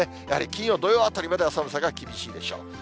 やはり金曜、土曜あたりまでは寒さが厳しいでしょう。